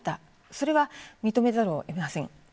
それは認めざるを得ません。